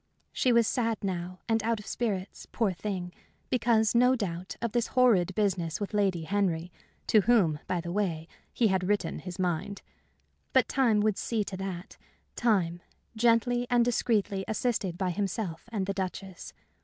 She was sad now and out of spirits, poor thing, because, no doubt, of this horrid business with Lady Henry, to whom, by the way, he had written his mind. But time would see to that time gently and discreetly assisted by himself and the Duchess.